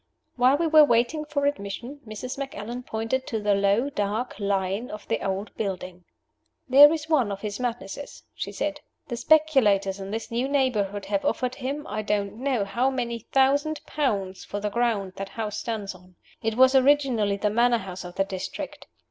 While we were waiting for admission, Mrs. Macallan pointed to the low, dark line of the old building. "There is one of his madnesses," she said. "The speculators in this new neighborhood have offered him I don't know how many thousand pounds for the ground that house stands on. It was originally the manor house of the district.